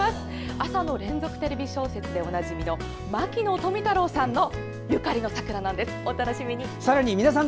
朝の連続テレビ小説でおなじみの牧野富太郎さんのゆかりの桜なんです。